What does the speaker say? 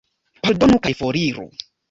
Pardonu kaj foriru.